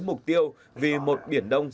mục tiêu vì một biển đông